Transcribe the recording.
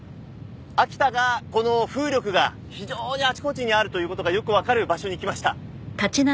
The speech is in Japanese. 秋田がこの風力が非常にあちこちにあるという事がよくわかる場所に来ました。